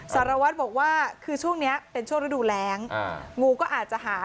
สารวัตรบอกว่าคือช่วงนี้เป็นช่วงฤดูแรงงูก็อาจจะหา